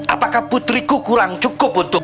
apakah putriku kurang cukup untuk